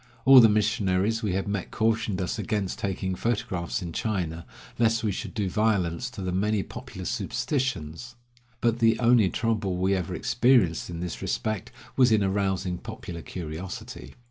All the missionaries we had met cautioned us against taking photographs in China, lest we should do violence to the many popular superstitions, but the only trouble we ever experienced in this respect was in arousing popular curiosity.